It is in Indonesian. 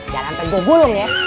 jangan sampai gua gulung ya